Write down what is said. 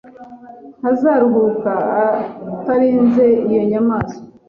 Ntazaruhuka atarinze iyo nyamaswa